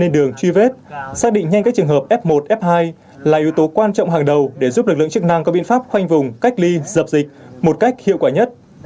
đường truy vết xác định nhanh các trường hợp f một f hai là yếu tố quan trọng hàng đầu để giúp lực lượng chức năng có biện pháp khoanh vùng cách ly dập dịch một cách hiệu quả nhất